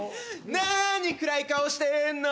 なに暗い顔してんの？